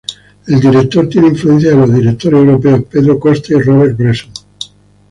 El director tiene influencias de los directores europeos, Pedro Costa y Robert Bresson.